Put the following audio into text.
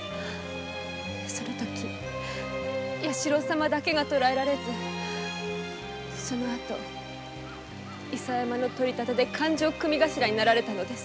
その時弥四郎様だけが捕えられずその後伊佐山の取り立てで勘定組頭になられたのです。